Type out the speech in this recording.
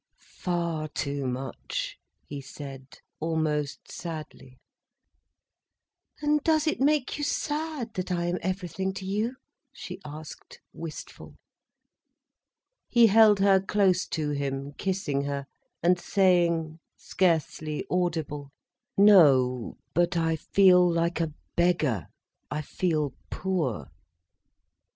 "Far too much," he said, almost sadly. "And does it make you sad, that I am everything to you?" she asked, wistful. He held her close to him, kissing her, and saying, scarcely audible: "No, but I feel like a beggar—I feel poor."